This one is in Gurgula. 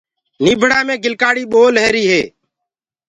نيبڙآ مينٚ گِلڪآڙي پول رهيريٚ هي۔